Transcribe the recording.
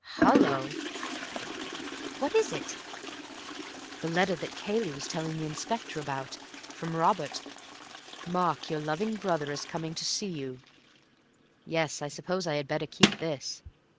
Hallo!" "What is it?" "The letter that Cayley was telling the Inspector about. From Robert. 'Mark, your loving brother is coming to see you—' Yes, I suppose I had better keep this.